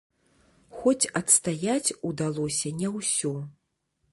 Хоць адстаяць удалося не ўсё.